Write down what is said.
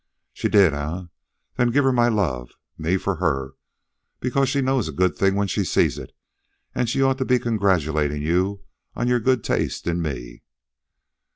"She did, eh? Then give her my love. Me for her, because she knows a good thing when she sees it, an' she ought to be congratulating you on your good taste in me."